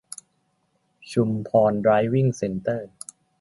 ชุมพรไดฟ์วิ่งเซ็นเตอร์